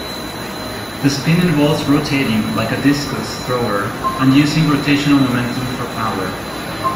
The spin involves rotating like a discus thrower and using rotational momentum for power.